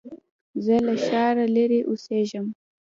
زه له ښاره لرې اوسېږم